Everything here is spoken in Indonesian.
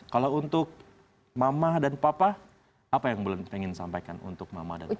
kalau untuk mama dan papa apa yang longtemps ingin pidin untuk mama dan papa ini